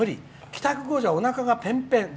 帰宅後じゃ、おなかがぺんぺん。